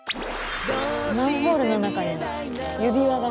マンホールの中に指輪が。